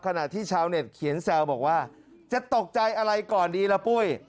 ขณะที่ชาวเน็ตเขียนแซวบอกว่าจะตกใจอะไรก่อนดีล่ะปุ้ย